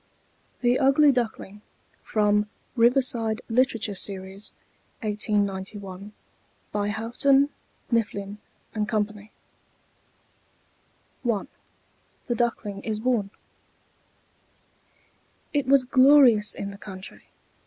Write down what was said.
THE UGLY DUCKLING From 'Riverside Literature Series': 1891, by Houghton, Mifflin & Co. I THE DUCKLING IS BORN It was glorious in the country.